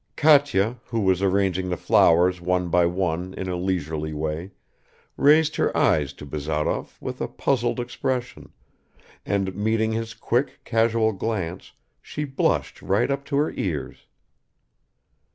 Katya, who was arranging the flowers one by one in a leisurely way, raised her eyes to Bazarov with a puzzled expression, and meeting his quick casual glance, she blushed right up to her ears.